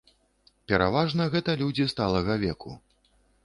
Пераважна гэта людзі сталага веку.